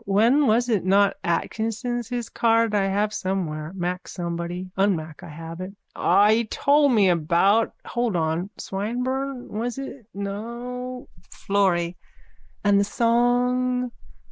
When was it not Atkinson his card I have somewhere. Mac Somebody. Unmack I have it. He told me about, hold on, Swinburne, was it, no? FLORRY: And the song?